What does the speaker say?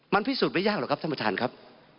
มันพิสูจน์ไม่ยากหรอกครับท่านประธานครับ